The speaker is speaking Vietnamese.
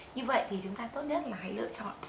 như vậy thì chúng ta tốt nhất là hãy lựa chọn